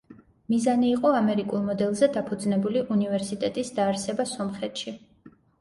მიზანი იყო ამერიკულ მოდელზე დაფუძნებული უნივერსიტეტის დაარსება სომხეთში.